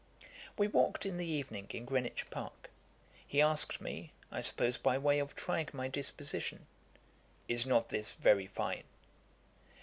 We walked in the evening in Greenwich Park. He asked me, I suppose, by way of trying my disposition, 'Is not this very fine?'